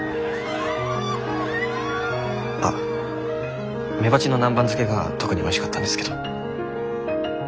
あメバチの南蛮漬けが特においしかったんですけど。